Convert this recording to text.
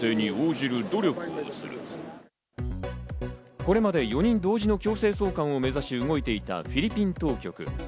これまで４人同時の強制送還を目指し、動いていたフィリピン当局。